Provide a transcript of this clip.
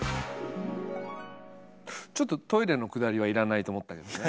ちょっとトイレのくだりは要らないと思ったけどね。